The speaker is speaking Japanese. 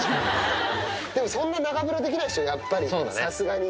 でもそんな長風呂できないでしょ、やっぱり、さすがに。